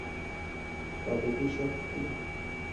তবে কি সত্যি?